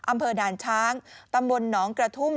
อำเภอด่านช้างตำบลหนองกระทุ่ม